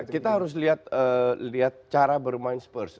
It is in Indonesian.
kita harus lihat cara bermain spurs